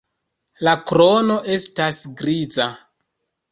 La krono estas griza.